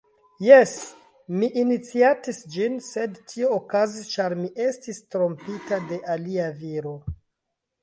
Jes, mi iniciatis ĝin, sed tio okazis ĉar mi estis trompita de alia viro.